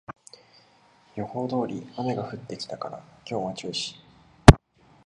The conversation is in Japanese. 予報通り雨が降ってきたから今日は中止